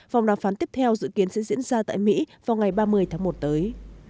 vòng đàm phán tiếp theo dự kiến sẽ diễn ra tại mỹ vào ngày ba mươi tháng một tới